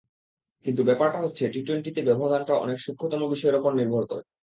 কিন্তু ব্যাপারটা হচ্ছে, টি-টোয়েন্টিতে ব্যবধানটা অনেক সূক্ষ্মতম বিষয়ের ওপর নির্ভর করে।